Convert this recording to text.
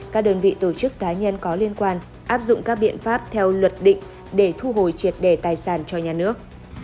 các đơn vị tổ chức cá nhân có liên quan áp dụng các biện pháp theo luật định để thu hồi triệt đề tài sản cho nhà nước